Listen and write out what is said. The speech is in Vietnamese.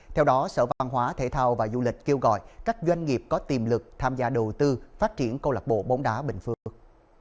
theo đó sở văn hóa thể thao và du lịch kêu gọi các doanh nghiệp có tiềm lực tham gia đầu tư phát triển câu lạc bộ bóng đá bình phước